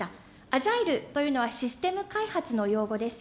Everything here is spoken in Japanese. アジャイルというのはシステム開発の用語です。